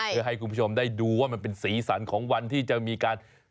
เพื่อให้คุณผู้ชมได้ดูว่ามันเป็นสีสันของวันที่จะมีการ